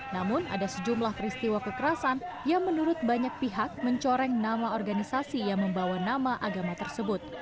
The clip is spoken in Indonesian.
namun ada sejumlah peristiwa kekerasan yang menurut banyak pihak mencoreng nama organisasi yang membawa nama agama tersebut